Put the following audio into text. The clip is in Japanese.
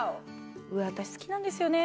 私好きなんですよね